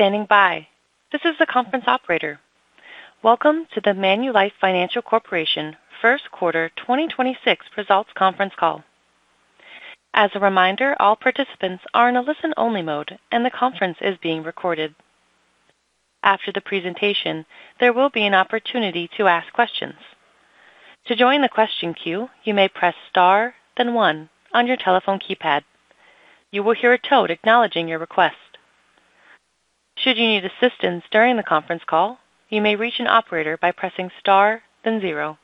Thank you for standing by. This is the conference operator. Welcome to the Manulife Financial Corporation First Quarter 2026 Results Conference Call. As a reminder, all participants are in a listen-only mode, and the conference is being recorded. After the presentation, there will be an opportunity to ask questions. To join the question queue, you may press star then one on your telephone keypad. You will hear a tone acknowledging your request. Should you need assistance during the conference call, you may reach an operator by pressing star then zero.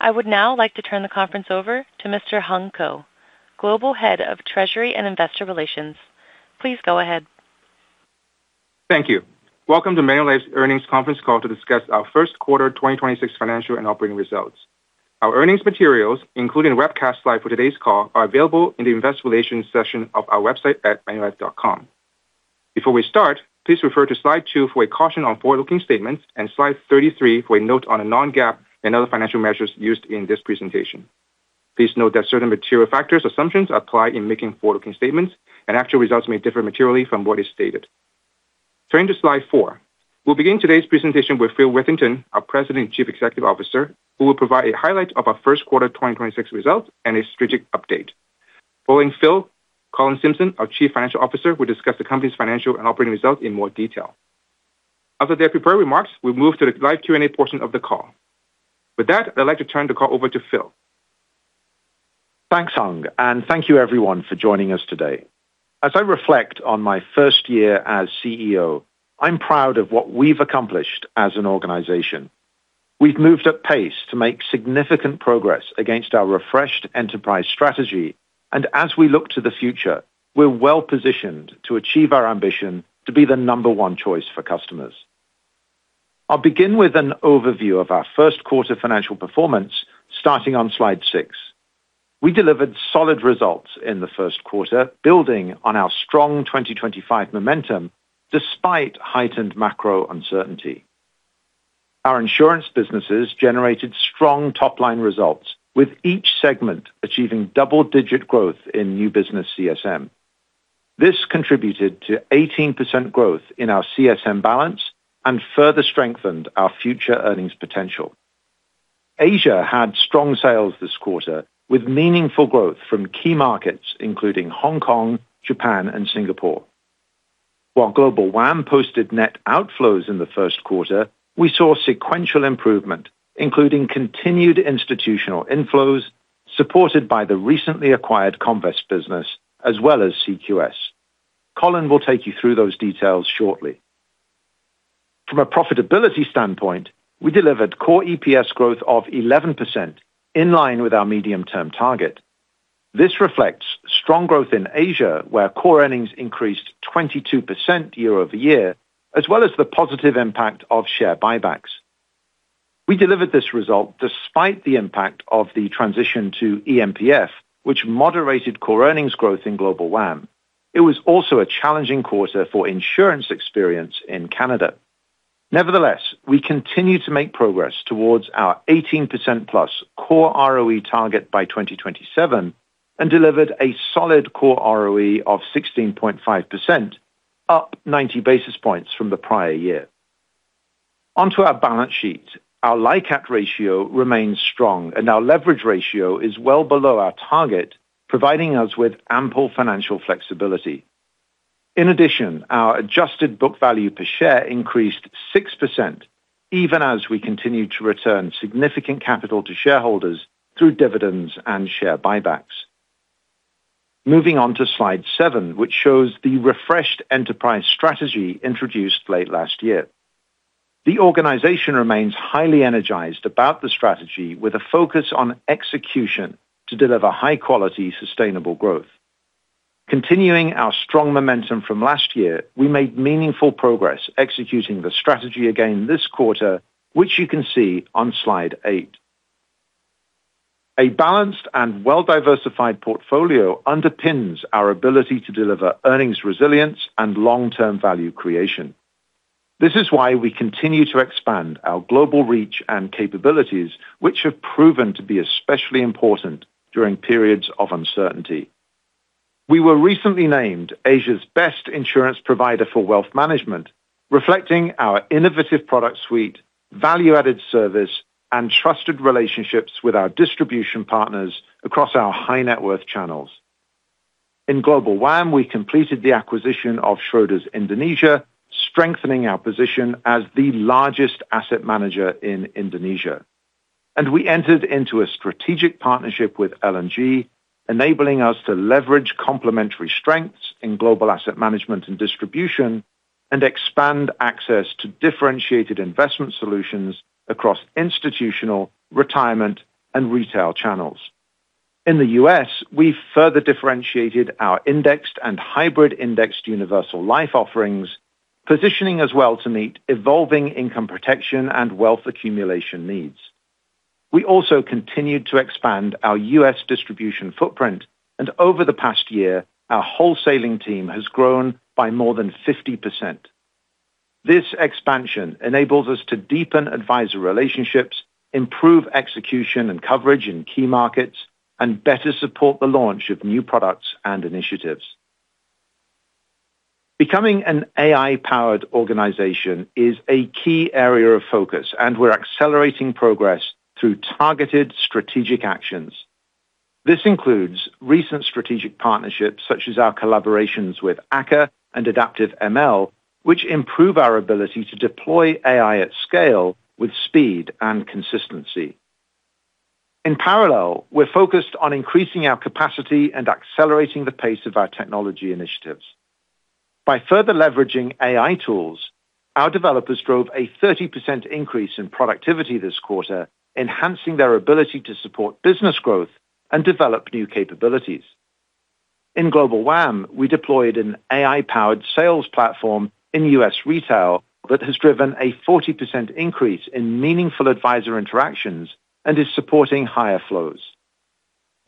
I would now like to turn the conference over to Mr. Hung Ko, Global Head of Treasury and Investor Relations. Please go ahead. Thank you. Welcome to Manulife's earnings conference call to discuss our first quarter 2026 financial and operating results. Our earnings materials, including webcast live for today's call, are available in the investor relations section of our website at manulife.com. Before we start, please refer to slide two for a caution on forward-looking statements and slide 33 for a note on non-GAAP and other financial measures used in this presentation. Please note that certain material factors assumptions apply in making forward-looking statements. Actual results may differ materially from what is stated. Turning to slide four. We'll begin today's presentation with Phil Witherington, our President and Chief Executive Officer, who will provide a highlight of our first quarter 2026 results and a strategic update. Following Phil, Colin Simpson, our Chief Financial Officer, will discuss the company's financial and operating results in more detail. After their prepared remarks, we'll move to the live Q&A portion of the call. With that, I'd like to turn the call over to Phil. Thanks, Hung, thank you everyone for joining us today. As I reflect on my first year as CEO, I'm proud of what we've accomplished as an organization. We've moved at pace to make significant progress against our refreshed enterprise strategy. As we look to the future, we're well-positioned to achieve our ambition to be the number one choice for customers. I'll begin with an overview of our first quarter financial performance starting on slide six. We delivered solid results in the first quarter, building on our strong 2025 momentum despite heightened macro uncertainty. Our insurance businesses generated strong top-line results, with each segment achieving double-digit growth in new business CSM. This contributed to 18% growth in our CSM balance and further strengthened our future earnings potential. Asia had strong sales this quarter, with meaningful growth from key markets including Hong Kong, Japan, and Singapore. While Global WAM posted net outflows in the first quarter, we saw sequential improvement, including continued institutional inflows supported by the recently acquired Comvest business as well as CQS. Colin will take you through those details shortly. From a profitability standpoint, we delivered core EPS growth of 11%, in line with our medium-term target. This reflects strong growth in Asia, where core earnings increased 22% year-over-year, as well as the positive impact of share buybacks. We delivered this result despite the impact of the transition to eMPF, which moderated core earnings growth in Global WAM. It was also a challenging quarter for insurance experience in Canada. Nevertheless, we continue to make progress towards our 18%+ core ROE target by 2027 and delivered a solid core ROE of 16.5%, up 90 basis points from the prior year. Onto our balance sheet. Our LICAT ratio remains strong, and our leverage ratio is well below our target, providing us with ample financial flexibility. In addition, our adjusted book value per share increased 6%, even as we continued to return significant capital to shareholders through dividends and share buybacks. Moving on to slide seven, which shows the refreshed enterprise strategy introduced late last year. The organization remains highly energized about the strategy with a focus on execution to deliver high-quality, sustainable growth. Continuing our strong momentum from last year, we made meaningful progress executing the strategy again this quarter, which you can see on slide eight. A balanced and well-diversified portfolio underpins our ability to deliver earnings resilience and long-term value creation. This is why we continue to expand our global reach and capabilities, which have proven to be especially important during periods of uncertainty. We were recently named Asia's Best Insurance Provider for Wealth Management, reflecting our innovative product suite, value-added service, and trusted relationships with our distribution partners across our high-net-worth channels. In Global WAM, we completed the acquisition of Schroders Indonesia, strengthening our position as the largest asset manager in Indonesia. We entered into a strategic partnership with L&G, enabling us to leverage complementary strengths in global asset management and distribution and expand access to differentiated investment solutions across institutional, retirement, and retail channels. In the U.S., we further differentiated our Indexed and hybrid Indexed Universal Life offerings, positioning us well to meet evolving income protection and wealth accumulation needs. We also continued to expand our U.S. distribution footprint. Over the past year, our wholesaling team has grown by more than 50%. This expansion enables us to deepen advisor relationships, improve execution and coverage in key markets, and better support the launch of new products and initiatives. Becoming an AI-powered organization is a key area of focus. We're accelerating progress through targeted strategic actions. This includes recent strategic partnerships such as our collaborations with Akka and Adaptive ML, which improve our ability to deploy AI at scale with speed and consistency. In parallel, we're focused on increasing our capacity and accelerating the pace of our technology initiatives. By further leveraging AI tools, our developers drove a 30% increase in productivity this quarter, enhancing their ability to support business growth and develop new capabilities. In Global WAM, we deployed an AI-powered sales platform in U.S. retail that has driven a 40% increase in meaningful advisor interactions and is supporting higher flows.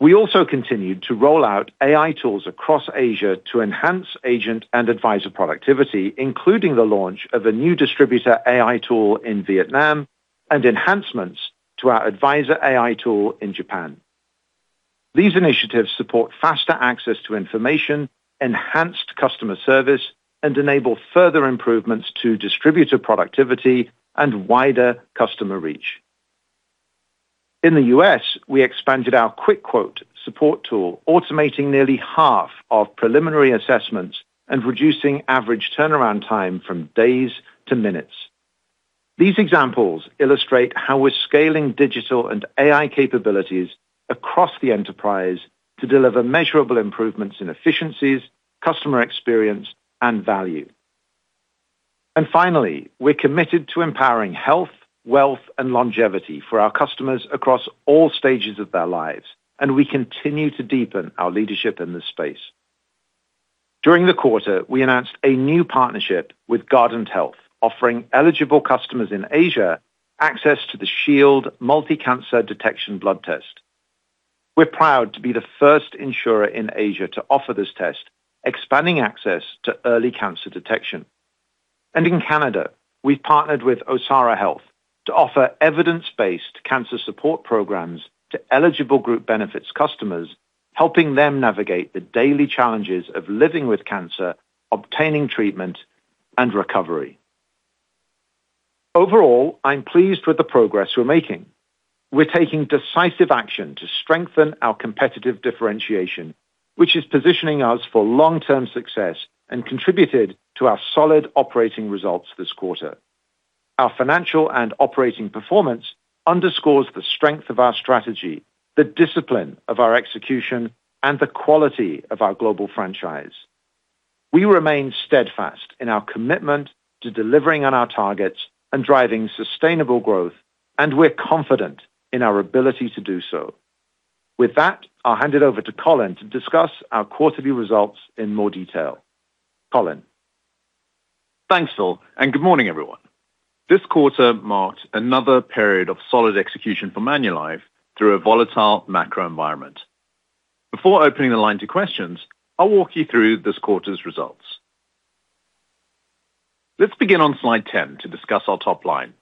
We also continued to roll out AI tools across Asia to enhance agent and advisor productivity, including the launch of a new distributor AI tool in Vietnam and enhancements to our advisor AI tool in Japan. These initiatives support faster access to information, enhanced customer service, and enable further improvements to distributor productivity and wider customer reach. In the U.S., we expanded our Quick Quote support tool, automating nearly half of preliminary assessments and reducing average turnaround time from days to minutes. These examples illustrate how we're scaling digital and AI capabilities across the enterprise to deliver measurable improvements in efficiencies, customer experience, and value. Finally, we're committed to empowering health, wealth, and longevity for our customers across all stages of their lives, and we continue to deepen our leadership in this space. During the quarter, we announced a new partnership with Guardant Health, offering eligible customers in Asia access to the Shield Multi-Cancer Detection blood test. We're proud to be the first insurer in Asia to offer this test, expanding access to early cancer detection. In Canada, we've partnered with Osara Health to offer evidence-based cancer support programs to eligible group benefits customers, helping them navigate the daily challenges of living with cancer, obtaining treatment, and recovery. Overall, I'm pleased with the progress we're making. We're taking decisive action to strengthen our competitive differentiation, which is positioning us for long-term success and contributed to our solid operating results this quarter. Our financial and operating performance underscores the strength of our strategy, the discipline of our execution, and the quality of our global franchise. We remain steadfast in our commitment to delivering on our targets and driving sustainable growth, and we're confident in our ability to do so. With that, I'll hand it over to Colin to discuss our quarterly results in more detail. Colin. Thanks, Phil. Good morning, everyone. This quarter marked another period of solid execution for Manulife through a volatile macro environment. Before opening the line to questions, I'll walk you through this quarter's results. Let's begin on slide 10 to discuss our top line.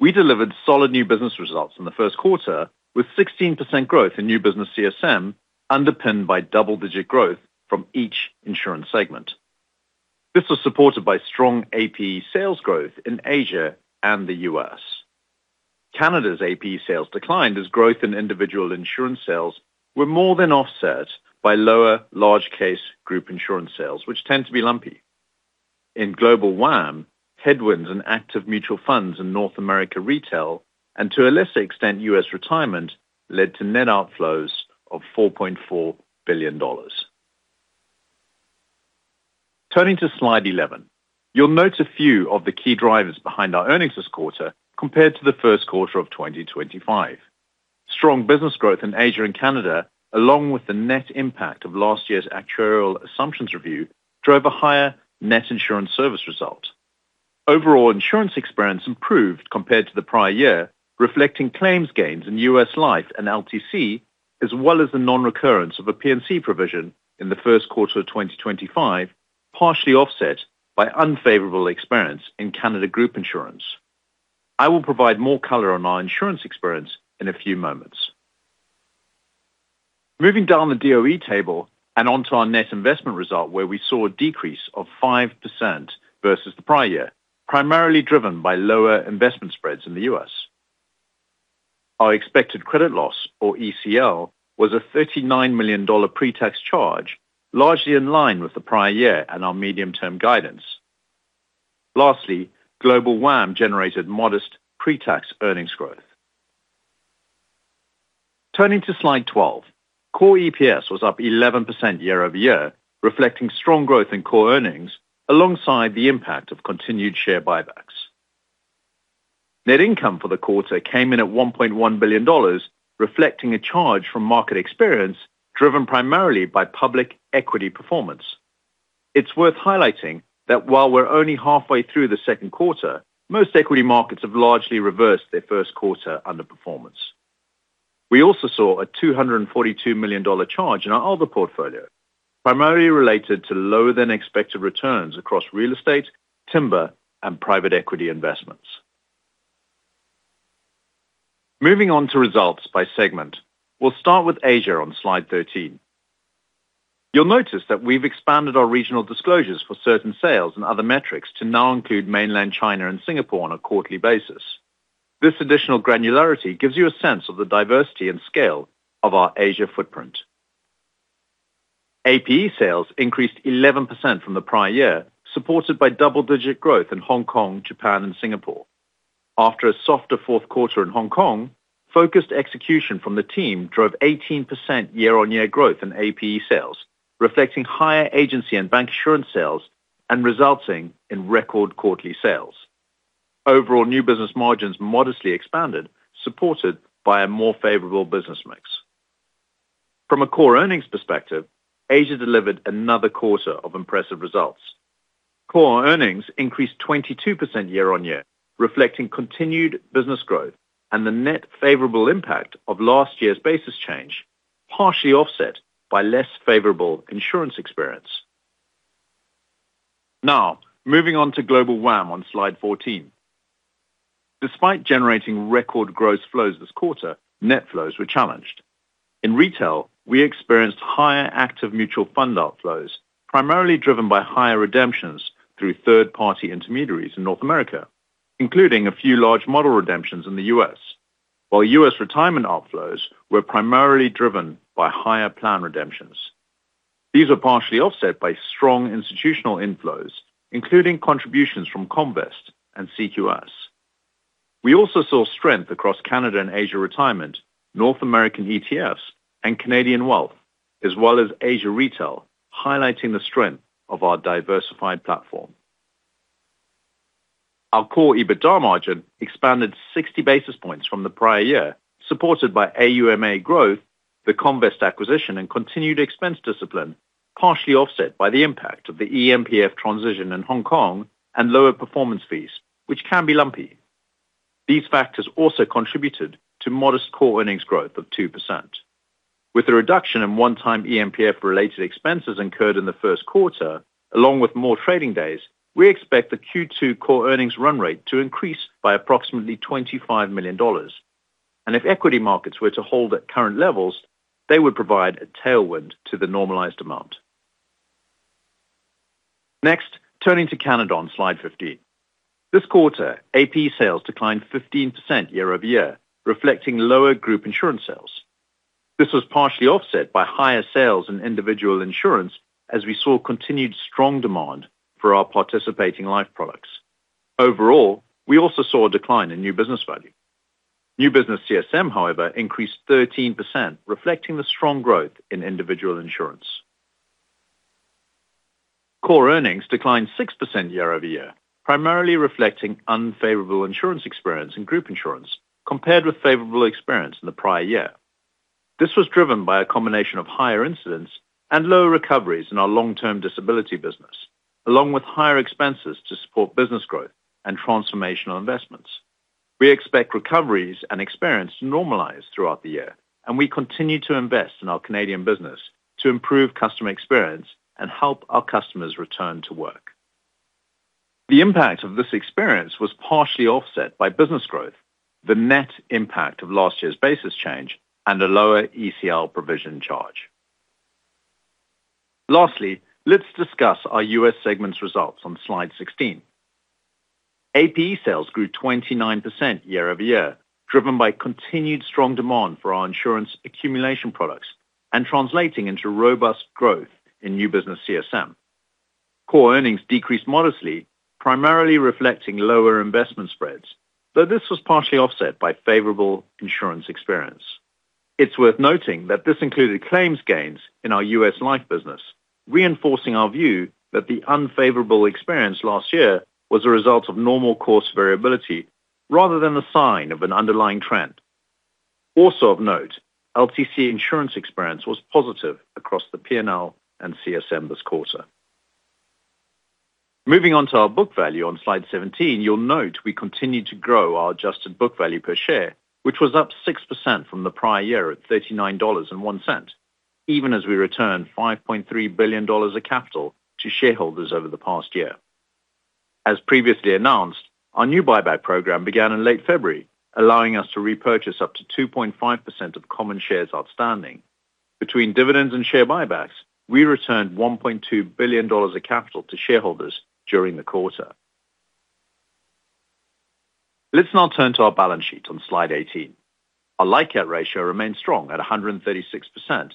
We delivered solid new business results in the first quarter with 16% growth in new business CSM underpinned by double-digit growth from each insurance segment. This was supported by strong APE sales growth in Asia and the U.S. Canada's APE sales declined as growth in individual insurance sales were more than offset by lower large case group insurance sales, which tend to be lumpy. In Global WAM, headwinds and active mutual funds in North America retail, and to a lesser extent, U.S. retirement, led to net outflows of $4.4 billion. Turning to slide 11. You'll note a few of the key drivers behind our earnings this quarter compared to the first quarter of 2025. Strong business growth in Asia and Canada, along with the net impact of last year's actuarial assumptions review, drove a higher net insurance service result. Overall insurance experience improved compared to the prior year, reflecting claims gains in U.S. life and LTC, as well as the non-recurrence of a P&C provision in the first quarter of 2025, partially offset by unfavorable experience in Canada Group Insurance. I will provide more color on our insurance experience in a few moments. Moving down the DOE table and onto our net investment result where we saw a decrease of 5% versus the prior year, primarily driven by lower investment spreads in the U.S. Our expected credit loss, or ECL, was a $39 million pre-tax charge, largely in line with the prior year and our medium-term guidance. Lastly, Global WAM generated modest pre-tax earnings growth. Turning to slide 12. Core EPS was up 11% year-over-year, reflecting strong growth in core earnings alongside the impact of continued share buybacks. Net income for the quarter came in at $1.1 billion, reflecting a charge from market experience driven primarily by public equity performance. It's worth highlighting that while we're only halfway through the second quarter, most equity markets have largely reversed their first quarter underperformance. We also saw a $242 million charge in our ALDA portfolio, primarily related to lower than expected returns across real estate, timber, and private equity investments. Moving on to results by segment, we'll start with Asia on slide 13. You'll notice that we've expanded our regional disclosures for certain sales and other metrics to now include mainland China and Singapore on a quarterly basis. This additional granularity gives you a sense of the diversity and scale of our Asia footprint. APE sales increased 11% from the prior year, supported by double-digit growth in Hong Kong, Japan, and Singapore. After a softer fourth quarter in Hong Kong, focused execution from the team drove 18% year-on-year growth in APE sales, reflecting higher agency and bancassurance sales and resulting in record quarterly sales. Overall, new business margins modestly expanded, supported by a more favorable business mix. From a core earnings perspective, Asia delivered another quarter of impressive results. Core earnings increased 22% year-on-year, reflecting continued business growth and the net favorable impact of last year's basis change, partially offset by less favorable insurance experience. Now, moving on to Global WAM on slide 14. Despite generating record gross flows this quarter, net flows were challenged. In retail, we experienced higher active mutual fund outflows, primarily driven by higher redemptions through third-party intermediaries in North America, including a few large model redemptions in the U.S., while U.S. retirement outflows were primarily driven by higher plan redemptions. These were partially offset by strong institutional inflows, including contributions from Comvest and CQS. We also saw strength across Canada and Asia retirement, North American ETFs, and Canadian wealth, as well as Asia retail, highlighting the strength of our diversified platform. Our core EBITDA margin expanded 60 basis points from the prior year, supported by AUMA growth, the Comvest acquisition, and continued expense discipline, partially offset by the impact of the eMPF transition in Hong Kong and lower performance fees, which can be lumpy. These factors also contributed to modest core earnings growth of 2%. With a reduction in one-time eMPF related expenses incurred in the first quarter, along with more trading days, we expect the Q2 core earnings run rate to increase by approximately $25 million. If equity markets were to hold at current levels, they would provide a tailwind to the normalized amount. Next, turning to Canada on slide 15. This quarter, APE sales declined 15% year-over-year, reflecting lower group insurance sales. This partially offset by higher sales in individual insurance as we saw continued strong demand for our participating life products. Overall, we also saw a decline in new business value. New business CSM, however, increased 13%, reflecting the strong growth in individual insurance. Core earnings declined 6% year-over-year, primarily reflecting unfavorable insurance experience in group insurance compared with favorable experience in the prior year. This was driven by a combination of higher incidence and lower recoveries in our long-term disability business, along with higher expenses to support business growth and transformational investments. We expect recoveries and experience to normalize throughout the year. We continue to invest in our Canadian business to improve customer experience and help our customers return to work. The impact of this experience was partially offset by business growth, the net impact of last year's basis change, and a lower ECL provision charge. Lastly, let's discuss our U.S. segment's results on slide 16. APE sales grew 29% year-over-year, driven by continued strong demand for our insurance accumulation products and translating into robust growth in new business CSM. Core earnings decreased modestly, primarily reflecting lower investment spreads, though this was partially offset by favorable insurance experience. It's worth noting that this included claims gains in our U.S. life business, reinforcing our view that the unfavorable experience last year was a result of normal course variability rather than a sign of an underlying trend. Also of note, LTC insurance experience was positive across the P&L and CSM this quarter. Moving on to our book value on slide 17, you'll note we continued to grow our adjusted book value per share, which was up 6% from the prior year at $39.01, even as we returned $5.3 billion of capital to shareholders over the past year. As previously announced, our new buyback program began in late February, allowing us to repurchase up to 2.5% of common shares outstanding. Between dividends and share buybacks, we returned $1.2 billion of capital to shareholders during the quarter. Let's now turn to our balance sheet on slide 18. Our LICAT ratio remains strong at 136%,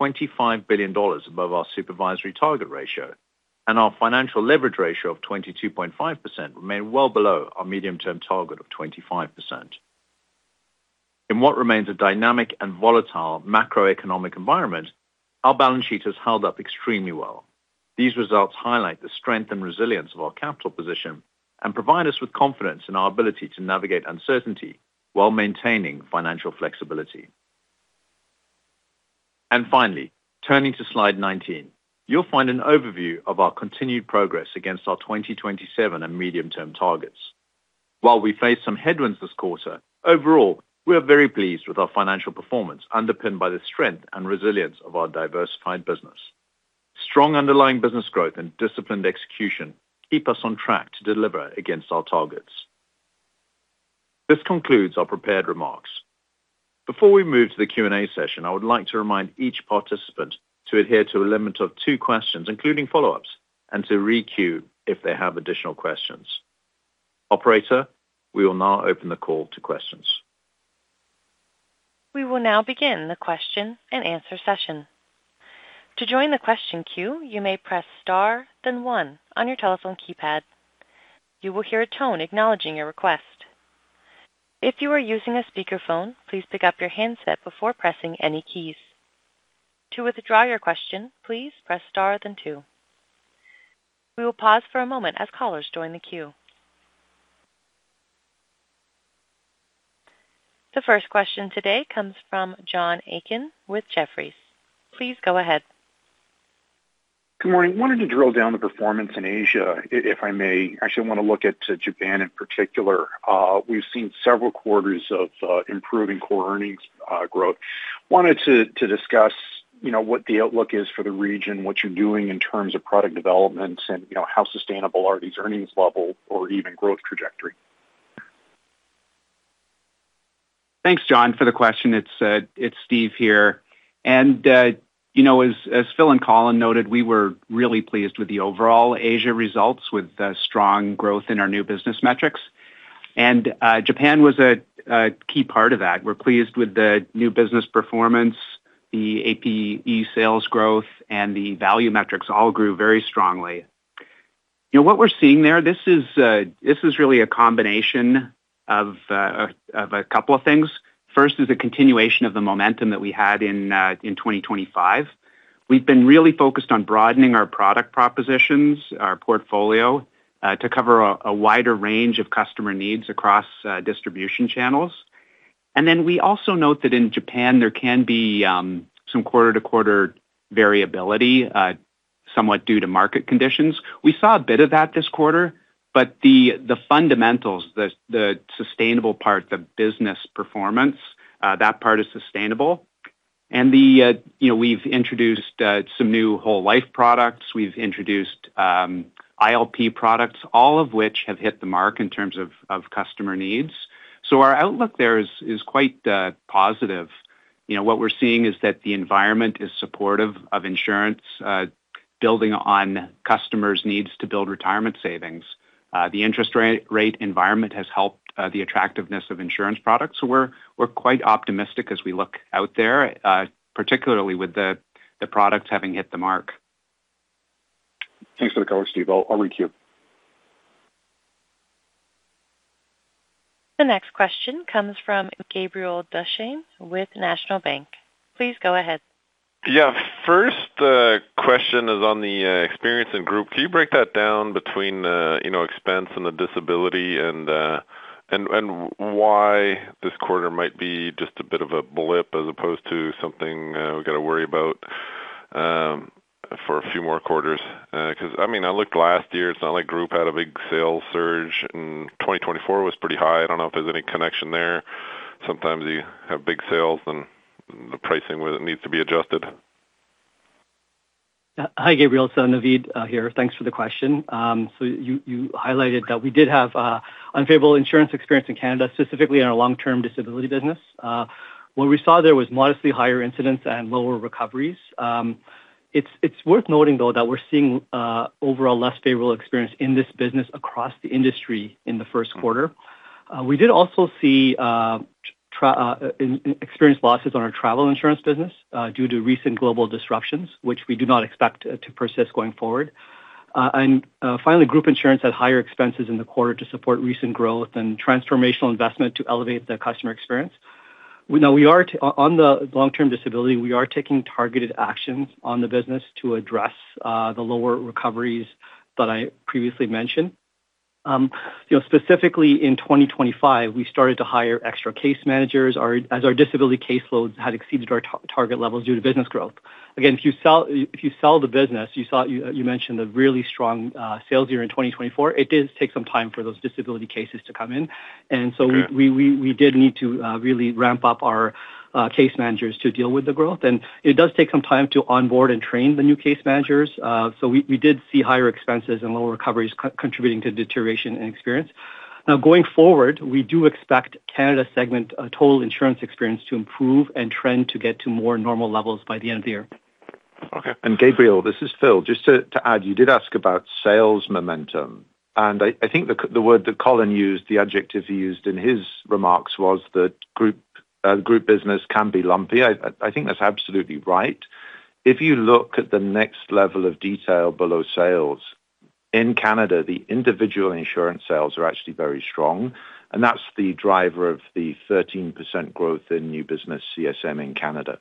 $25 billion above our supervisory target ratio, and our financial leverage ratio of 22.5% remain well below our medium-term target of 25%. In what remains a dynamic and volatile macroeconomic environment, our balance sheet has held up extremely well. These results highlight the strength and resilience of our capital position and provide us with confidence in our ability to navigate uncertainty while maintaining financial flexibility. Finally, turning to slide 19, you'll find an overview of our continued progress against our 2027 and medium-term targets. While we face some headwinds this quarter, overall, we are very pleased with our financial performance underpinned by the strength and resilience of our diversified business. Strong underlying business growth and disciplined execution keep us on track to deliver against our targets. This concludes our prepared remarks. Before we move to the Q&A session, I would like to remind each participant to adhere to a limit of two questions, including follow-ups, and to re-queue if they have additional questions. Operator, we will now open the call to questions. We will now begin the question and answer session. To join the question queue, you may press star then one on your telephone keypad. You will hear tone acknowledging your request. If you are using a speaker phone, please pick up your handset before pressing any keys. To withdraw your question, please press star then two. We will pause for a moment as callers join the queue. The first question today comes from John Aiken with Jefferies. Please go ahead. Good morning. Wanted to drill down the performance in Asia, if I may. I actually want to look at Japan in particular. We've seen several quarters of improving core earnings growth. Wanted to discuss, you know, what the outlook is for the region, what you're doing in terms of product development and, you know, how sustainable are these earnings level or even growth trajectory. Thanks, John, for the question. It's Steve here. You know, as Phil and Colin noted, we were really pleased with the overall Asia results with the strong growth in our new business metrics. Japan was a key part of that. We're pleased with the new business performance, the APE sales growth, and the value metrics all grew very strongly. You know what we're seeing there, this is really a combination of a couple of things. First is a continuation of the momentum that we had in 2025. We've been really focused on broadening our product propositions, our portfolio, to cover a wider range of customer needs across distribution channels. Then we also note that in Japan there can be some quarter-to-quarter variability, somewhat due to market conditions. We saw a bit of that this quarter, but the fundamentals, the sustainable part, the business performance, that part is sustainable. The, you know, we've introduced some new whole life products. We've introduced ILP products, all of which have hit the mark in terms of customer needs. Our outlook there is quite positive. You know, what we're seeing is that the environment is supportive of insurance, building on customers' needs to build retirement savings. The interest rate environment has helped the attractiveness of insurance products. We're quite optimistic as we look out there, particularly with the products having hit the mark. Thanks for the color, Steve. I'll re-queue. The next question comes from Gabriel Dechaine with National Bank. Please go ahead. First, question is on the experience in group. Can you break that down between, you know, expense and the disability and why this quarter might be just a bit of a blip as opposed to something we gotta worry about for a few more quarters? I mean, I looked last year, it's not like group had a big sales surge, and 2024 was pretty high. I don't know if there's any connection there. Sometimes you have big sales and the pricing with it needs to be adjusted. Hi, Gabriel. Naveed here. Thanks for the question. You highlighted that we did have unfavorable insurance experience in Canada, specifically in our long-term disability business. What we saw there was modestly higher incidence and lower recoveries. It's worth noting though that we're seeing overall less favorable experience in this business across the industry in the first quarter. We did also see experience losses on our travel insurance business due to recent global disruptions, which we do not expect to persist going forward. Finally, group insurance had higher expenses in the quarter to support recent growth and transformational investment to elevate the customer experience. On the long-term disability, we are taking targeted actions on the business to address the lower recoveries that I previously mentioned. You know, specifically in 2025, we started to hire extra case managers as our disability case loads had exceeded our target levels due to business growth. Again, if you sell the business, you mentioned the really strong sales year in 2024. It did take some time for those disability cases to come in. Okay. We did need to really ramp up our case managers to deal with the growth. It does take some time to onboard and train the new case managers. We did see higher expenses and lower recoveries co-contributing to deterioration and experience. Now going forward, we do expect Canada segment total insurance experience to improve and trend to get to more normal levels by the end of the year. Okay. Gabriel, this is Phil. Just to add, you did ask about sales momentum, and I think the word that Colin used, the adjective he used in his remarks was that group business can be lumpy. I think that's absolutely right. If you look at the next level of detail below sales, in Canada, the individual insurance sales are actually very strong, and that's the driver of the 13% growth in new business CSM in Canada.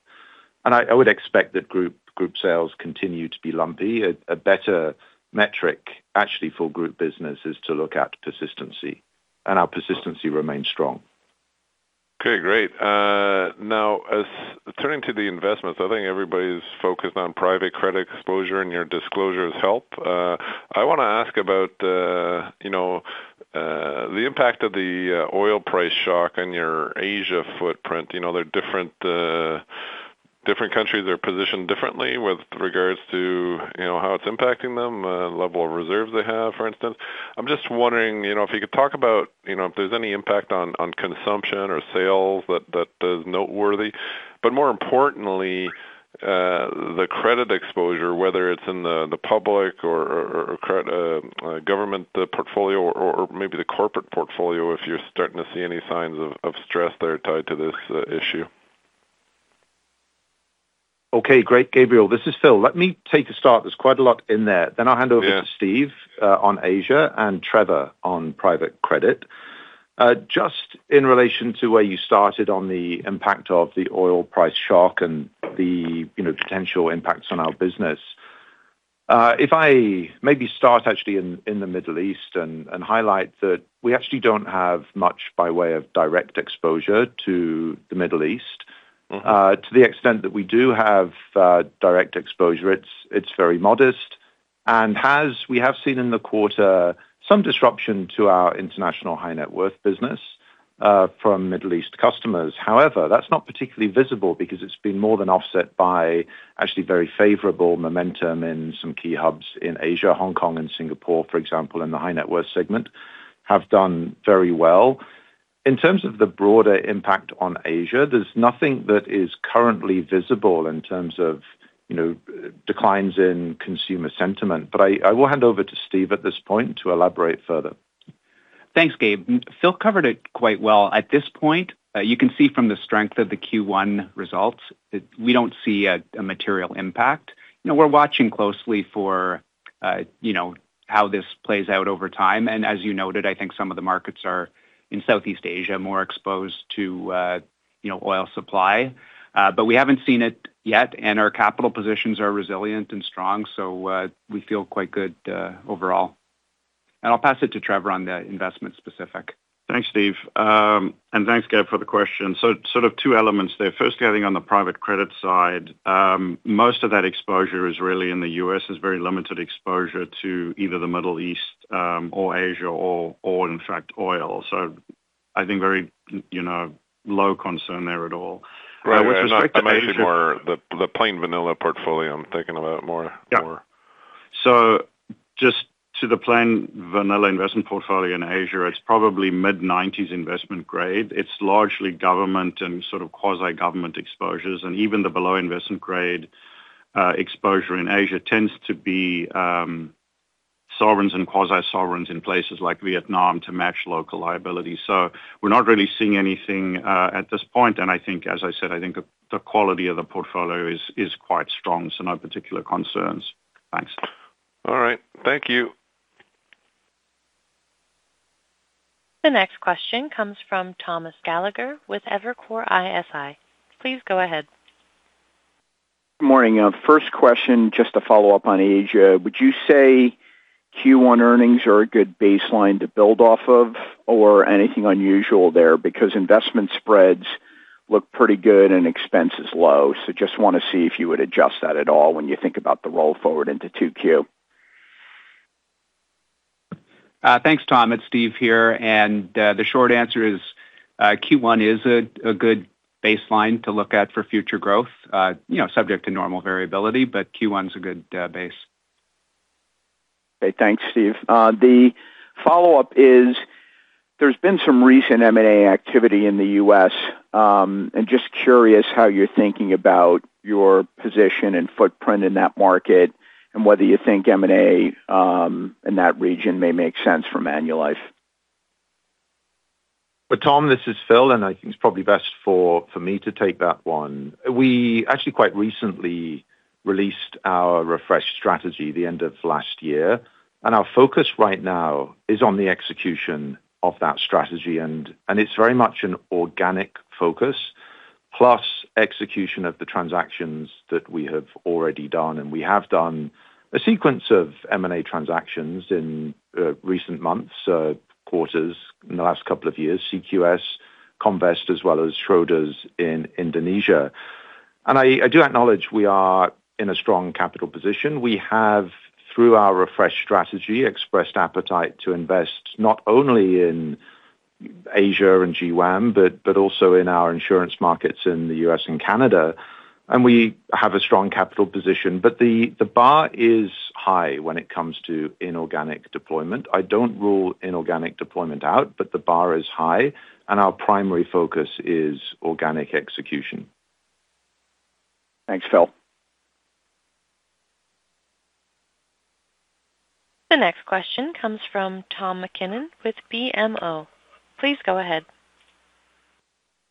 I would expect that group sales continue to be lumpy. A better metric actually for group business is to look at persistency. Our persistency remains strong. Okay, great. Now as turning to the investments, I think everybody's focused on private credit exposure, and your disclosures help. I want to ask about, you know, the impact of the oil price shock on your Asia footprint. You know, there are different countries are positioned differently with regards to, you know, how it's impacting them, level of reserves they have, for instance. I'm just wondering, you know, if you could talk about, you know, if there's any impact on consumption or sales that is noteworthy. More importantly, the credit exposure, whether it's in the public or government, the portfolio or maybe the corporate portfolio, if you're starting to see any signs of stress that are tied to this issue. Okay, great, Gabriel. This is Phil. Let me take the start. There's quite a lot in there. I'll hand over. Yeah. To Steve on Asia and Trevor on private credit. Just in relation to where you started on the impact of the oil price shock and the, you know, potential impacts on our business. If I maybe start actually in the Middle East and highlight that we actually don't have much by way of direct exposure to the Middle East. To the extent that we do have direct exposure, it's very modest. We have seen in the quarter some disruption to our international high net worth business from Middle East customers. However, that's not particularly visible because it's been more than offset by actually very favorable momentum in some key hubs in Asia, Hong Kong and Singapore, for example, in the high net worth segment, have done very well. In terms of the broader impact on Asia, there's nothing that is currently visible in terms of, you know, declines in consumer sentiment. I will hand over to Steve at this point to elaborate further. Thanks, Gabe. Phil covered it quite well. At this point, you can see from the strength of the Q1 results that we don't see a material impact. You know, we're watching closely for, you know, how this plays out over time. As you noted, I think some of the markets are, in Southeast Asia, more exposed to, you know, oil supply. We haven't seen it yet, and our capital positions are resilient and strong, so we feel quite good overall. I'll pass it to Trevor on the investment specific. Thanks, Steve. And thanks, Gabe, for the question. Sort of two elements there. First getting on the private credit side, most of that exposure is really in the U.S. There's very limited exposure to either the Middle East, or Asia or in fact, oil. I think very, you know, low concern there at all. Right. With respect to Asia. I meant it more the plain vanilla portfolio I'm thinking about more. Yeah. Just to the plain vanilla investment portfolio in Asia, it's probably mid-90s investment grade. It's largely government and sort of quasi-government exposures, and even the below investment grade exposure in Asia tends to be sovereigns and quasi-sovereigns in places like Vietnam to match local liability. We're not really seeing anything at this point. I think as I said, I think the quality of the portfolio is quite strong, no particular concerns. Thanks. All right. Thank you. The next question comes from Thomas Gallagher with Evercore ISI. Please go ahead. Morning. First question, just to follow up on Asia. Would you say Q1 earnings are a good baseline to build off of or anything unusual there? Investment spreads look pretty good and expenses low. Just wanna see if you would adjust that at all when you think about the roll forward into 2Q. Thanks, Tom. It's Steve here. The short answer is, Q1 is a good baseline to look at for future growth, you know, subject to normal variability, but Q1 is a good base. Okay. Thanks, Steve. The follow-up is there's been some recent M&A activity in the U.S., and just curious how you're thinking about your position and footprint in that market and whether you think M&A, in that region may make sense for Manulife. Well, Tom, this is Phil. I think it's probably best for me to take that one. We actually quite recently released our refresh strategy the end of last year. Our focus right now is on the execution of that strategy. It's very much an organic focus plus execution of the transactions that we have already done. We have done a sequence of M&A transactions in recent months, quarters in the last couple of years, CQS, Comvest, as well as Schroders in Indonesia. I do acknowledge we are in a strong capital position. We have, through our refresh strategy, expressed appetite to invest not only in Asia and GWAM, but also in our insurance markets in the U.S. and Canada. We have a strong capital position. The bar is high when it comes to inorganic deployment. I don't rule inorganic deployment out, but the bar is high, and our primary focus is organic execution. Thanks, Phil. The next question comes from Tom MacKinnon with BMO. Please go ahead.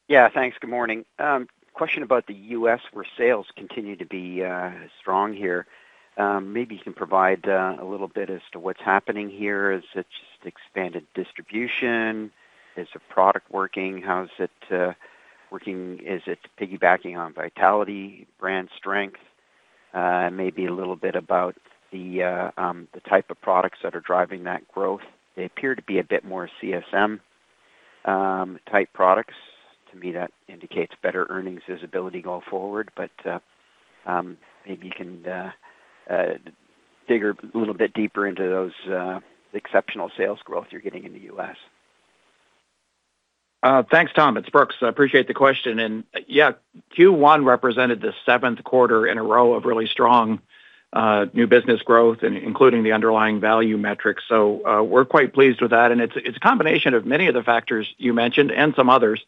Yeah, thanks. Good morning. Question about the U.S., where sales continue to be strong here. Maybe you can provide a little bit as to what's happening here. Is it just expanded distribution? Is the product working? How is it working? Is it piggybacking on Vitality brand strength? Maybe a little bit about the type of products that are driving that growth. They appear to be a bit more CSM type products. To me, that indicates better earnings visibility going forward, but maybe you can dig a little bit deeper into those exceptional sales growth you're getting in the U.S. Thanks, Tom. It's Brooks. I appreciate the question. Yeah, Q1 represented the seventh quarter in a row of really strong new business growth, including the underlying value metrics. We're quite pleased with that, and it's a combination of many of the factors you mentioned and some others.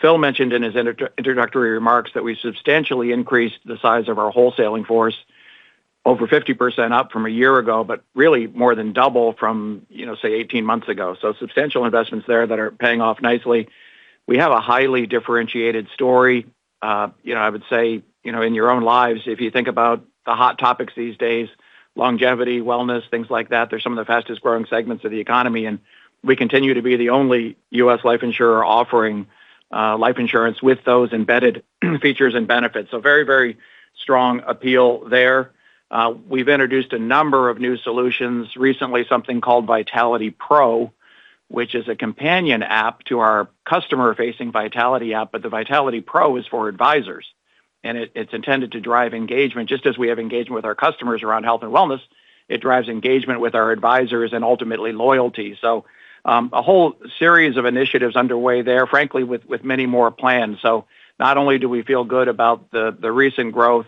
Phil mentioned in his introductory remarks that we substantially increased the size of our wholesaling force over 50% up from a year ago, but really more than double from, you know, say 18 months ago. Substantial investments there that are paying off nicely. We have a highly differentiated story. You know, I would say, you know, in your own lives, if you think about the hot topics these days, longevity, wellness, things like that, they're some of the fastest-growing segments of the economy, and we continue to be the only U.S. life insurer offering life insurance with those embedded features and benefits. Very, very strong appeal there. We've introduced a number of new solutions recently, something called Vitality Pro, which is a companion app to our customer-facing Vitality app. The Vitality Pro is for advisors, and it's intended to drive engagement. Just as we have engagement with our customers around health and wellness, it drives engagement with our advisors and ultimately loyalty. A whole series of initiatives underway there, frankly, with many more plans. Not only do we feel good about the recent growth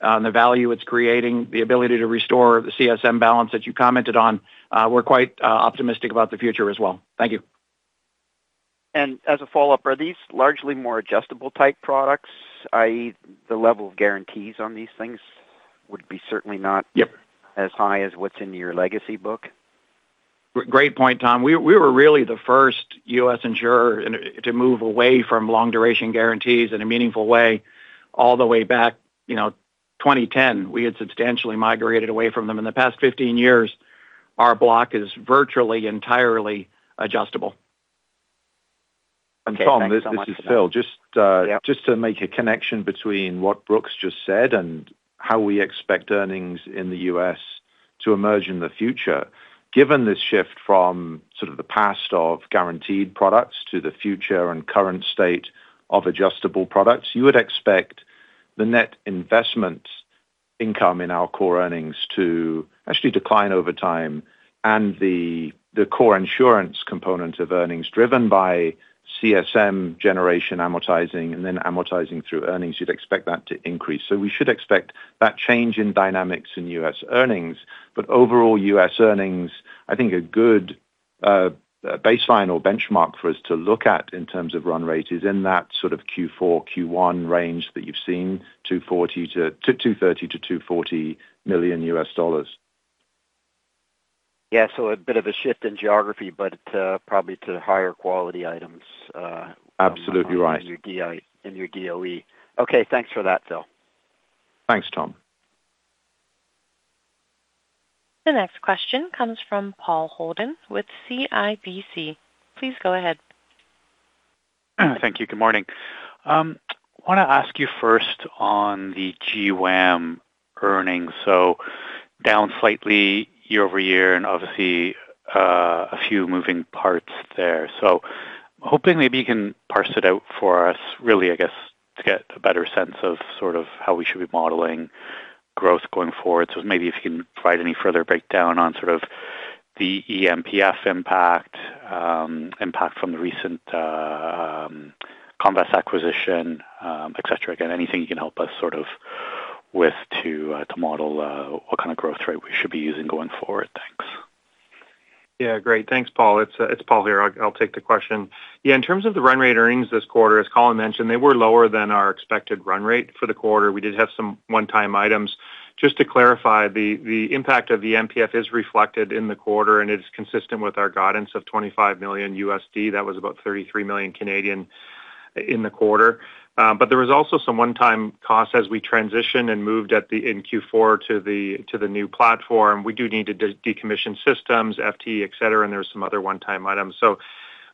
and the value it's creating, the ability to restore the CSM balance that you commented on, we're quite optimistic about the future as well. Thank you. As a follow-up, are these largely more adjustable type products, i.e. the level of guarantees on these things would be? Yep. As high as what's in your legacy book? Great point, Tom. We were really the first U.S. insurer and to move away from long-duration guarantees in a meaningful way all the way back, you know, 2010. We had substantially migrated away from them. In the past 15 years, our block is virtually entirely adjustable. Okay. Thanks so much for that. Tom, this is Phil. Yeah. Just to make a connection between what Brooks just said and how we expect earnings in the U.S. to emerge in the future. Given this shift from sort of the past of guaranteed products to the future and current state of adjustable products, you would expect the net investment income in our core earnings to actually decline over time. The core insurance component of earnings driven by CSM generation amortizing and then amortizing through earnings, you'd expect that to increase. We should expect that change in dynamics in U.S. earnings. Overall U.S. earnings, I think a good baseline or benchmark for us to look at in terms of run rate is in that sort of Q4, Q1 range that you've seen, $230 million-$240 million. A bit of a shift in geography, but probably to higher quality items. Absolutely right. In your DOE. Okay. Thanks for that, Phil. Thanks, Tom. The next question comes from Paul Holden with CIBC. Please go ahead. Thank you. Good morning. Want to ask you first on the GWAM earnings. Down slightly year-over-year and obviously a few moving parts there. Hoping maybe you can parse it out for us, really, I guess, to get a better sense of sort of how we should be modeling growth going forward. Maybe if you can provide any further breakdown on sort of the eMPF impact from the recent Comvest acquisition, et cetera. Again, anything you can help us sort of with to model what kind of growth rate we should be using going forward. Thanks. Yeah. Great. Thanks, Paul. It's Paul here. I'll take the question. Yeah, in terms of the run rate earnings this quarter, as Colin mentioned, they were lower than our expected run rate for the quarter. We did have some one-time items. Just to clarify, the impact of the eMPF is reflected in the quarter, and it is consistent with our guidance of $25 million. That was about 33 million in the quarter. But there was also some one-time costs as we transitioned and moved in Q4 to the new platform. We do need to decommission systems, IT, et cetera, and there are some other one-time items.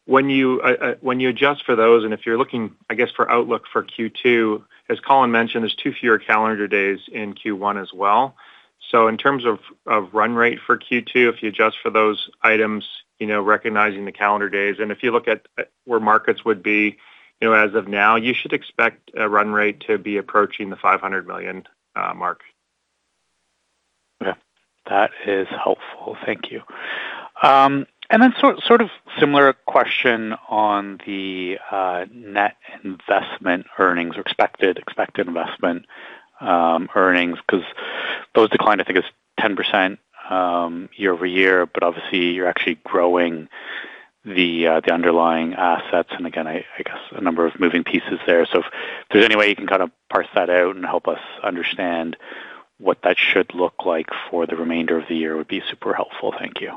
When you adjust for those, and if you're looking, I guess, for outlook for Q2, as Colin mentioned, there's too fewer calendar days in Q1 as well. In terms of run rate for Q2, if you adjust for those items, you know, recognizing the calendar days, and if you look at where markets would be, you know, as of now, you should expect a run rate to be approaching the $500 million mark. Okay. That is helpful. Thank you. Sort of similar question on the net investment earnings or expected investment earnings, 'cause those declined, I think it was 10% year-over-year. Obviously you're actually growing the underlying assets and again, I guess a number of moving pieces there. If there's any way you can kind of parse that out and help us understand what that should look like for the remainder of the year would be super helpful. Thank you.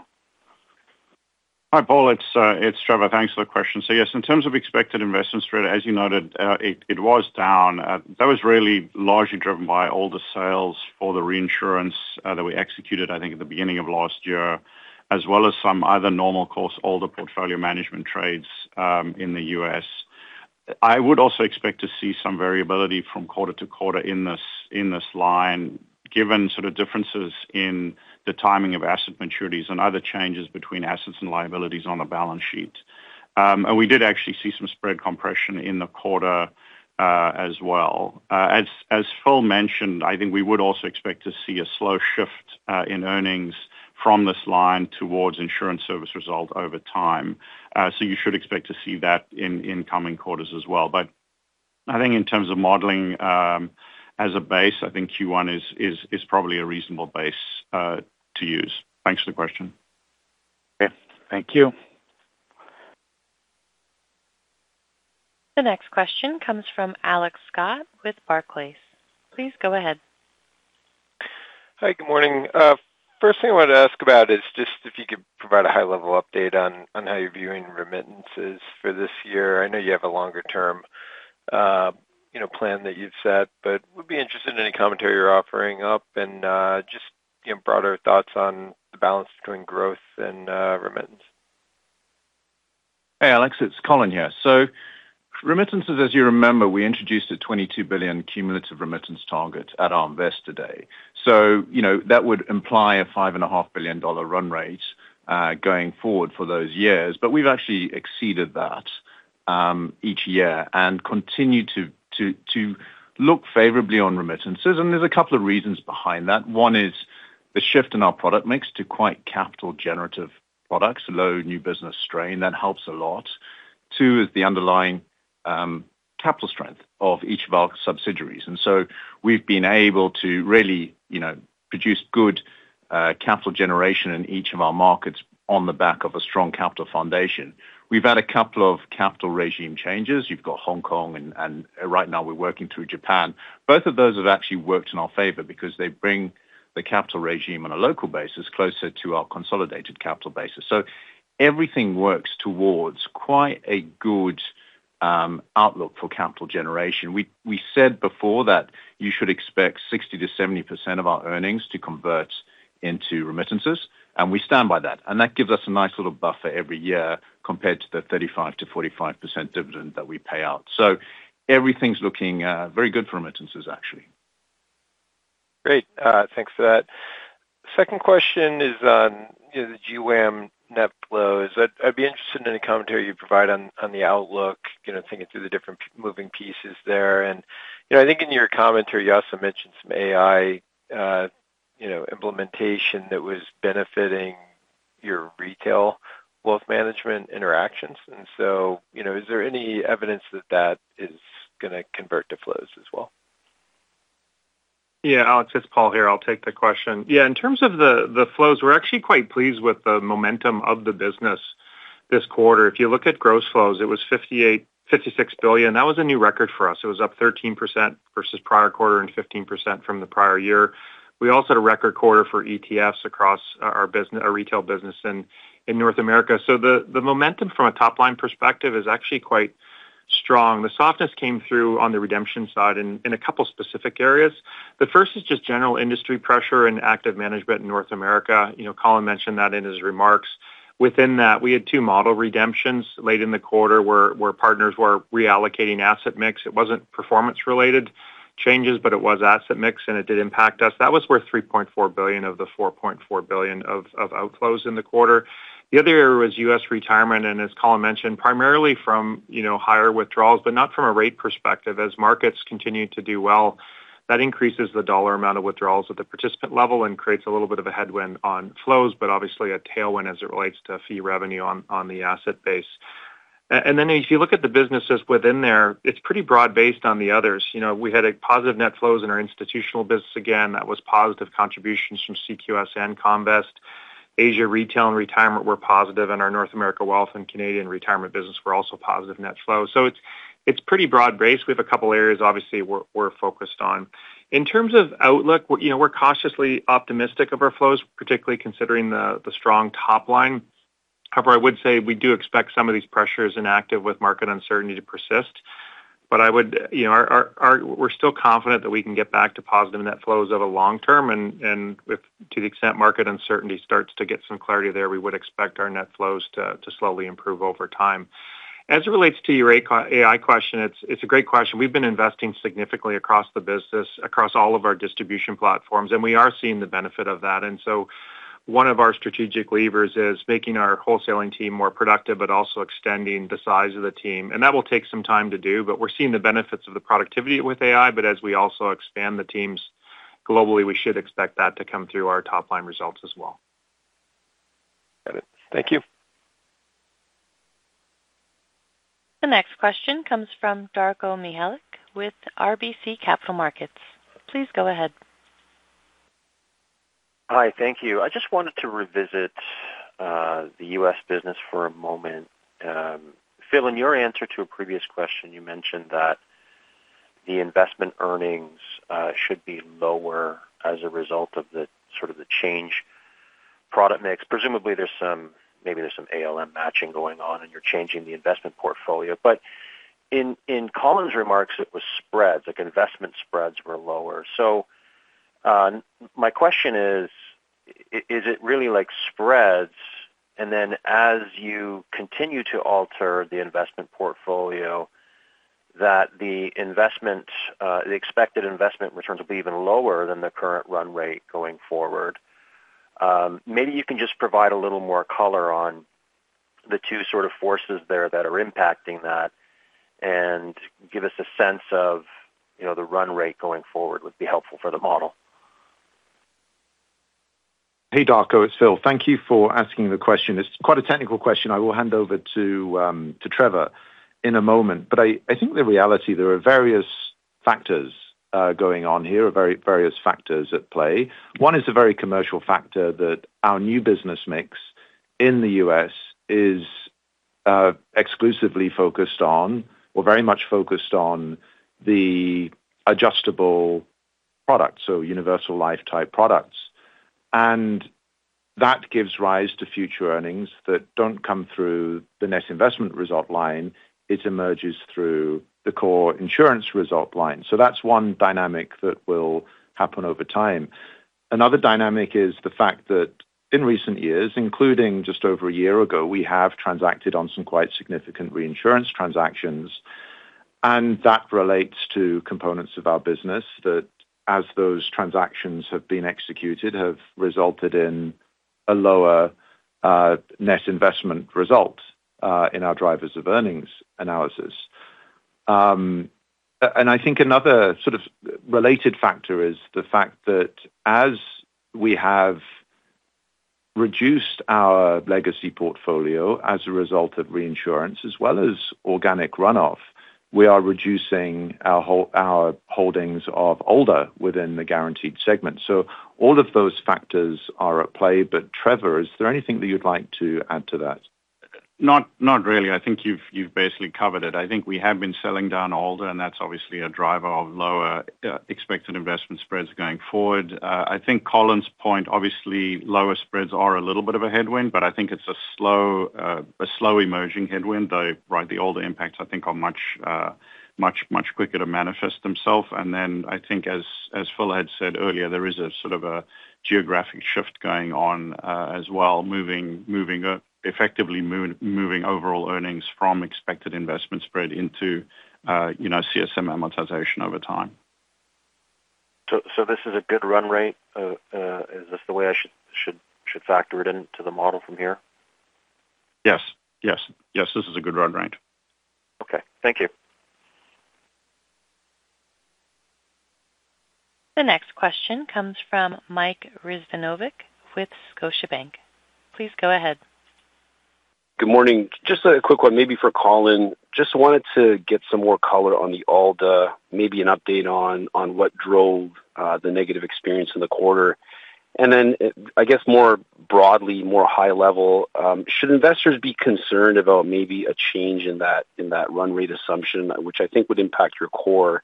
Hi, Paul. It's, it's Trevor. Thanks for the question. Yes, in terms of expected investment spread, as you noted, it was down. That was really largely driven by ALDA sales for the reinsurance, that we executed, I think, at the beginning of last year, as well as some other normal course, ALDA portfolio management trades, in the U.S. I would also expect to see some variability from quarter to quarter in this line, given sort of differences in the timing of asset maturities and other changes between assets and liabilities on the balance sheet. We did actually see some spread compression in the quarter as well. As Phil mentioned, I think we would also expect to see a slow shift in earnings from this line towards insurance service result over time. You should expect to see that in coming quarters as well. I think in terms of modeling, as a base, I think Q1 is probably a reasonable base to use. Thanks for the question. Okay. Thank you. The next question comes from Alex Scott with Barclays. Please go ahead. Hi, good morning. First thing I wanted to ask about is just if you could provide a high-level update on how you're viewing remittances for this year. I know you have a longer term, you know, plan that you've set, but would be interested in any commentary you're offering up and just, you know, broader thoughts on the balance between growth and remittance. Hey, Alex, it's Colin here. Remittances, as you remember, we introduced a $22 billion cumulative remittance target at our Investor Day. You know, that would imply a $5.5 billion run rate going forward for those years. We've actually exceeded that each year and continue to look favorably on remittances. There's a couple reasons behind that. One is the shift in our product mix to quite capital generative products, low new business strain. That helps a lot. Two is the underlying capital strength of each of our subsidiaries. We've been able to really, you know, produce good capital generation in each of our markets on the back of a strong capital foundation. We've had a couple capital regime changes. You've got Hong Kong and right now we're working through Japan. Both of those have actually worked in our favor because they bring the capital regime on a local basis closer to our consolidated capital basis. Everything works towards quite a good outlook for capital generation. We said before that you should expect 60%-70% of our earnings to convert into remittances, and we stand by that. That gives us a nice little buffer every year compared to the 35%-45% dividend that we pay out. Everything's looking very good for remittances, actually. Great. Thanks for that. Second question is on, you know, the GWAM net flows. I'd be interested in any commentary you'd provide on the outlook, you know, thinking through the different moving pieces there. You know, I think in your commentary, you also mentioned some AI, you know, implementation that was benefiting your retail wealth management interactions. You know, is there any evidence that that is gonna convert to flows as well? Yeah, Alex, it's Paul here. I'll take the question. In terms of the flows, we're actually quite pleased with the momentum of the business this quarter. If you look at gross flows, it was $56 billion. That was a new record for us. It was up 13% versus prior quarter and 15% from the prior year. We also had a record quarter for ETFs across our retail business in North America. The momentum from a top-line perspective is actually quite strong. The softness came through on the redemption side in a couple specific areas. The first is just general industry pressure and active management in North America. You know, Colin mentioned that in his remarks. Within that, we had two model redemptions late in the quarter where partners were reallocating asset mix. It wasn't performance-related changes, but it was asset mix, and it did impact us. That was worth $3.4 billion of the $4.4 billion of outflows in the quarter. The other area was U.S. retirement. As Colin mentioned, primarily from, you know, higher withdrawals, but not from a rate perspective. As markets continue to do well, that increases the dollar amount of withdrawals at the participant level and creates a little bit of a headwind on flows, but obviously a tailwind as it relates to fee revenue on the asset base. Then if you look at the businesses within there, it's pretty broad-based on the others. You know, we had a positive net flows in our institutional business again. That was positive contributions from CQS and Comvest. Asia retail and retirement were positive, our North America wealth and Canadian retirement business were also positive net flow. It's pretty broad-based. We have a couple areas obviously we're focused on. In terms of outlook, you know, we're cautiously optimistic of our flows, particularly considering the strong top line. However, I would say we do expect some of these pressures in fact with market uncertainty to persist. I would, you know, we're still confident that we can get back to positive net flows over long term and with to the extent market uncertainty starts to get some clarity there, we would expect our net flows to slowly improve over time. As it relates to your AI question, it's a great question. We've been investing significantly across the business, across all of our distribution platforms, and we are seeing the benefit of that. One of our strategic levers is making our wholesaling team more productive but also extending the size of the team. That will take some time to do, but we're seeing the benefits of the productivity with AI. As we also expand the teams globally, we should expect that to come through our top-line results as well. Got it. Thank you. The next question comes from Darko Mihelic with RBC Capital Markets. Please go ahead. Hi. Thank you. I just wanted to revisit the U.S. business for a moment. Phil, in your answer to a previous question, you mentioned that the investment earnings should be lower as a result of the sort of the change product mix. Presumably, maybe there's some ALM matching going on, and you're changing the investment portfolio. In Colin's remarks, it was spreads, like investment spreads were lower. My question is it really like spreads? As you continue to alter the investment portfolio, the investment, the expected investment returns will be even lower than the current run rate going forward. Maybe you can just provide a little more color on the two sort of forces there that are impacting that and give us a sense of, you know, the run rate going forward would be helpful for the model. Hey, Darko, it's Phil. Thank you for asking the question. It's quite a technical question. I will hand over to Trevor in a moment. I think the reality, there are various factors going on here, various factors at play. One is a very commercial factor that our new business mix in the U.S. is exclusively focused on or very much focused on the adjustable product, so universal life type products. That gives rise to future earnings that don't come through the net investment result line. It emerges through the core insurance result line. That's one dynamic that will happen over time. Another dynamic is the fact that in recent years, including just over a year ago, we have transacted on some quite significant reinsurance transactions, and that relates to components of our business that as those transactions have been executed, have resulted in a lower net investment result in our drivers of earnings analysis. I think another sort of related factor is the fact that as we have reduced our legacy portfolio as a result of reinsurance as well as organic runoff, we are reducing our holdings of older within the guaranteed segment. All of those factors are at play. Trevor, is there anything that you'd like to add to that? Not really. I think you've basically covered it. I think we have been selling down older. That's obviously a driver of lower expected investment spreads going forward. I think Colin's point, obviously, lower spreads are a little bit of a headwind. I think it's a slow emerging headwind. Right, the older impacts, I think, are much quicker to manifest themselves. I think as Phil had said earlier, there is a sort of a geographic shift going on as well, moving effectively moving overall earnings from expected investment spread into, you know, CSM amortization over time. This is a good run rate? Is this the way I should factor it into the model from here? Yes. Yes. Yes, this is a good run rate. Okay. Thank you. The next question comes from Mike Rizvanovic with Scotiabank. Please go ahead. Good morning. Just a quick one maybe for Colin. Just wanted to get some more color on the ALDA, maybe an update on what drove the negative experience in the quarter. I guess more broadly, more high level, should investors be concerned about maybe a change in that run rate assumption, which I think would impact your core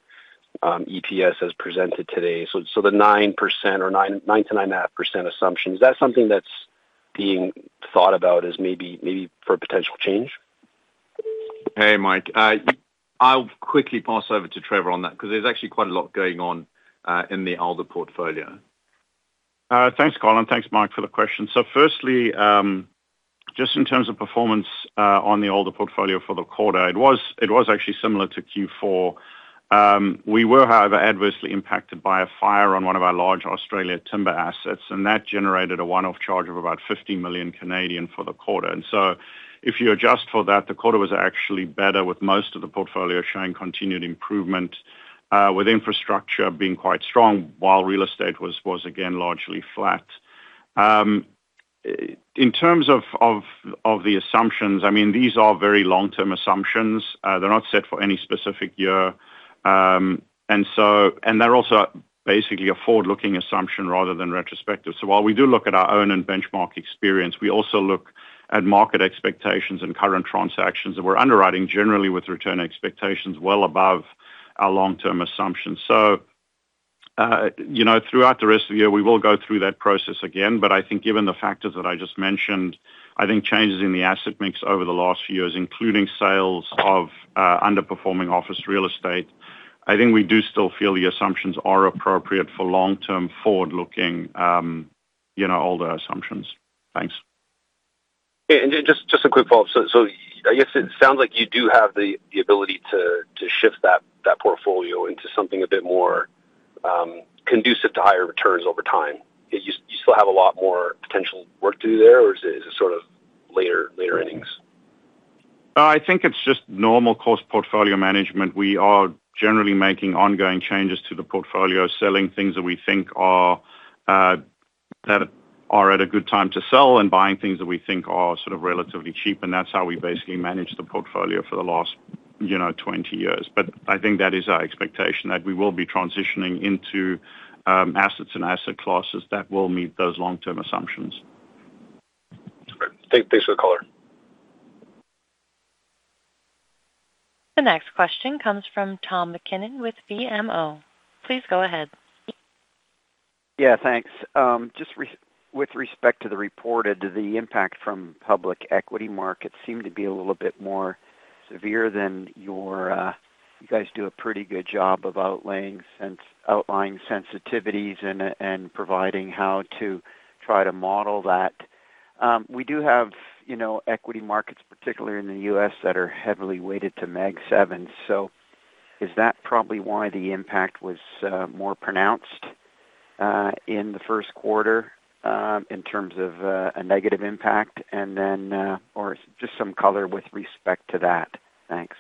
EPS as presented today? The 9% or 9%-9.5% assumption, is that something that's being thought about as maybe for potential change? Hey, Mike. I'll quickly pass over to Trevor on that because there's actually quite a lot going on in the ALDA portfolio. Thanks, Colin. Thanks, Mike, for the question. Firstly, just in terms of performance on the ALDA portfolio for the quarter, it was actually similar to Q4. We were, however, adversely impacted by a fire on one of our large Australia timber assets, and that generated a one-off charge of about 50 million for the quarter. If you adjust for that, the quarter was actually better with most of the portfolio showing continued improvement with infrastructure being quite strong while real estate was again largely flat. In terms of the assumptions, I mean, these are very long-term assumptions. They're not set for any specific year. They're also basically a forward-looking assumption rather than retrospective. While we do look at our own and benchmark experience, we also look at market expectations and current transactions that we're underwriting generally with return expectations well above our long-term assumptions. You know, throughout the rest of the year, we will go through that process again. I think given the factors that I just mentioned, I think changes in the asset mix over the last few years, including sales of underperforming office real estate, I think we do still feel the assumptions are appropriate for long-term forward-looking, you know, ALDA assumptions. Thanks. Yeah. Just a quick follow-up. I guess it sounds like you do have the ability to shift that portfolio into something a bit more conducive to higher returns over time. You still have a lot more potential work to do there, or is it sort of later innings? I think it's just normal course portfolio management. We are generally making ongoing changes to the portfolio, selling things that we think are that are at a good time to sell and buying things that we think are sort of relatively cheap, and that's how we basically managed the portfolio for the last, you know, 20 years. I think that is our expectation, that we will be transitioning into assets and asset classes that will meet those long-term assumptions. Great. Thanks for the color. The next question comes from Tom MacKinnon with BMO. Please go ahead. Thanks. With respect to the reported, the impact from public equity markets seemed to be a little bit more severe than your, you guys do a pretty good job of outlaying outlying sensitivities and providing how to try to model that. We do have, you know, equity markets, particularly in the U.S., that are heavily weighted to Mag 7. Is that probably why the impact was more pronounced in the first quarter, in terms of a negative impact, or just some color with respect to that. Thanks.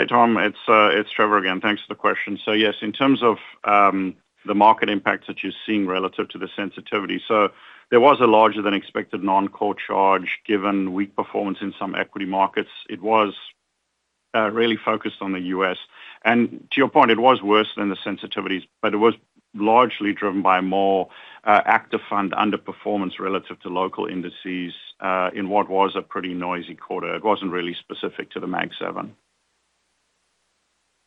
Hey, Tom, it's Trevor again. Thanks for the question. Yes, in terms of the market impact that you're seeing relative to the sensitivity. There was a larger than expected non-core charge given weak performance in some equity markets. It was really focused on the U.S. To your point, it was worse than the sensitivities, but it was largely driven by more active fund underperformance relative to local indices in what was a pretty noisy quarter. It wasn't really specific to the Mag 7.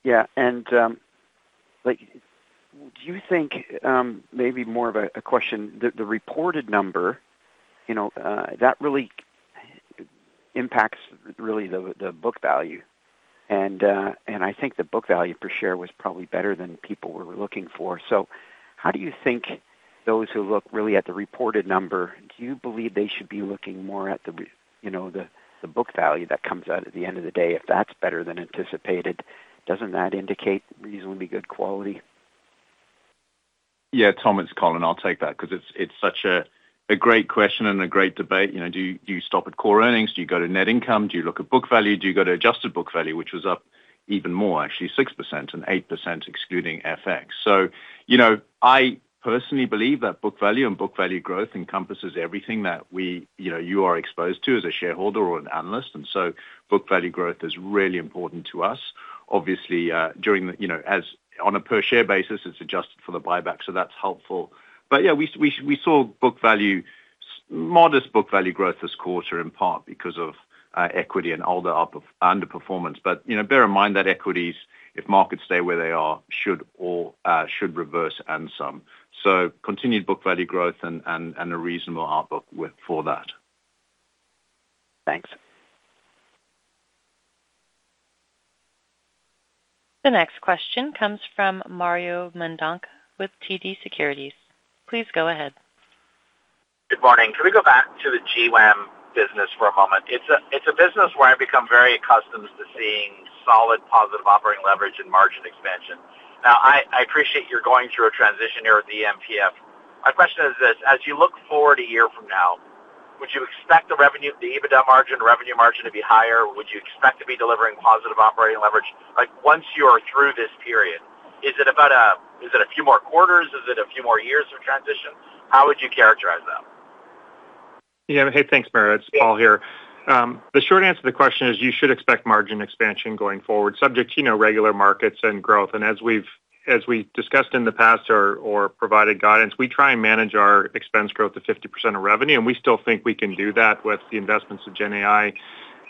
Yeah. Like, do you think, maybe more of a question, the reported number, you know, that really impacts really the book value? I think the book value per share was probably better than people were looking for. How do you think those who look really at the reported number, do you believe they should be looking more at the, you know, the book value that comes out at the end of the day? If that's better than anticipated, doesn't that indicate reasonably good quality? Yeah. Tom, it's Colin. I'll take that because it's such a great question and a great debate. You know, do you stop at core earnings? Do you go to net income? Do you look at book value? Do you go to adjusted book value, which was up even more, actually 6% and 8% excluding FX. You know, I personally believe that book value and book value growth encompasses everything that we, you know, you are exposed to as a shareholder or an analyst. Book value growth is really important to us. Obviously, during the, you know, as on a per share basis, it's adjusted for the buyback, so that's helpful. Yeah, we saw modest book value growth this quarter, in part because of equity and ALDA up of underperformance. You know, bear in mind that equities, if markets stay where they are, should or should reverse and some. Continued book value growth and a reasonable output for that. Thanks. The next question comes from Mario Mendonca with TD Securities. Please go ahead. Good morning. Can we go back to the GWAM business for a moment? It's a business where I've become very accustomed to seeing solid positive operating leverage and margin expansion. I appreciate you're going through a transition here with the eMPF. My question is this: As you look forward a year from now, would you expect the revenue, the EBITDA margin, revenue margin to be higher? Would you expect to be delivering positive operating leverage? Once you are through this period, is it a few more quarters? Is it a few more years of transition? How would you characterize that? Yeah. Hey, thanks, Mario. It's Paul here. The short answer to the question is you should expect margin expansion going forward, subject to, you know, regular markets and growth. As we discussed in the past or provided guidance, we try and manage our expense growth to 50% of revenue, and we still think we can do that with the investments of GenAI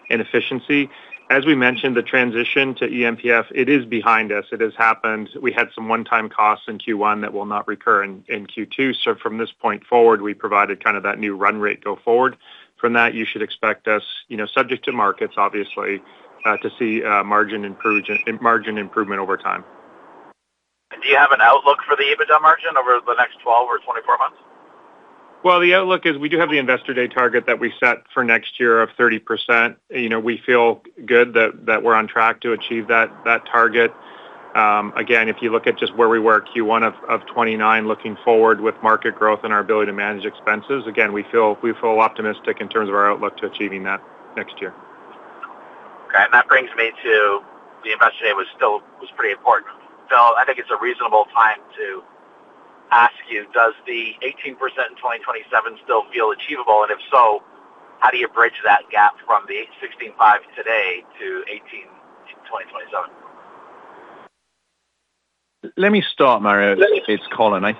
and efficiency. As we mentioned, the transition to eMPF, it is behind us. It has happened. We had some one-time costs in Q1 that will not recur in Q2. From this point forward, we provided kind of that new run rate go forward. From that, you should expect us, you know, subject to markets obviously, to see margin improvement over time. Do you have an outlook for the EBITDA margin over the next 12 or 24 months? Well, the outlook is we do have the Investor Day target that we set for next year of 30%. You know, we feel good that we're on track to achieve that target. Again, if you look at just where we were Q1 of 2029, looking forward with market growth and our ability to manage expenses, again, we feel optimistic in terms of our outlook to achieving that next year. Okay. That brings me to the Investor Day was still, was pretty important. I think it's a reasonable time to ask you, does the 18% in 2027 still feel achievable? If so, how do you bridge that gap from the 16.5% today to 18% in 2027? Let me start, Mario. Let me- It is Colin.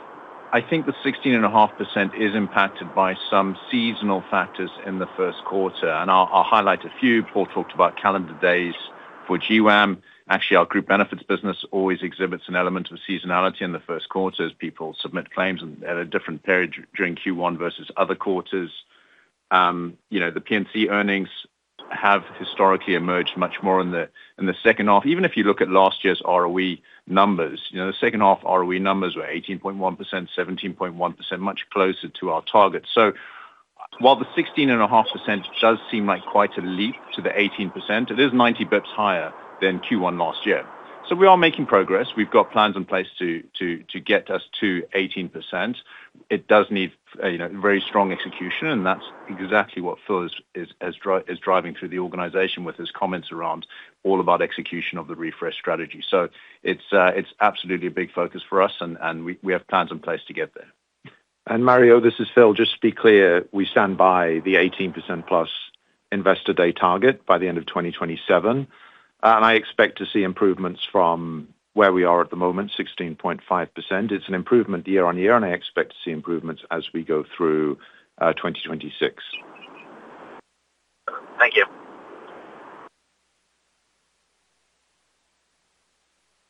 I think the 16 and a half% is impacted by some seasonal factors in the first quarter, and I'll highlight a few. Paul talked about calendar days for GWAM. Actually, our group benefits business always exhibits an element of seasonality in the first quarter as people submit claims at a different period during Q1 versus other quarters. You know, the P&C earnings have historically emerged much more in the second half. Even if you look at last year's ROE numbers, you know, the second half ROE numbers were 18.1%, 17.1%, much closer to our target. While the 16.5% does seem like quite a leap to the 18%, it is 90 bps higher than Q1 last year. We are making progress. We've got plans in place to get us to 18%. It does need, you know, very strong execution, and that's exactly what Phil is driving through the organization with his comments around all about execution of the refresh strategy. It's absolutely a big focus for us, and we have plans in place to get there. Mario, this is Phil. Just to be clear, we stand by the 18%+ Investor Day target by the end of 2027. I expect to see improvements from where we are at the moment, 16.5%. It's an improvement year-over-year, and I expect to see improvements as we go through 2026. Thank you.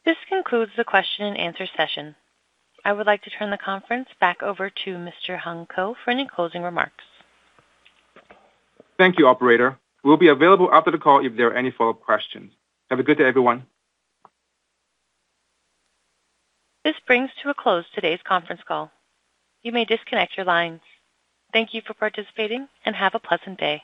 This concludes the question and answer session. I would like to turn the conference back over to Mr. Hung Ko for any closing remarks. Thank you, operator. We'll be available after the call if there are any follow-up questions. Have a good day, everyone. This brings to a close today's conference call. You may disconnect your lines. Thank you for participating and have a pleasant day.